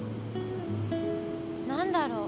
何だろう。